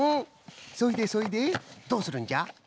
そいでそいでどうするんじゃ？